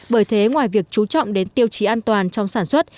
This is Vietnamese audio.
bởi thế ngoài việc chú trọng đến tiêu chí an toàn trong sản xuất